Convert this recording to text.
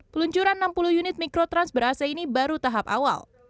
peluncuran enam puluh unit mikrotrans berase ini baru tahap awal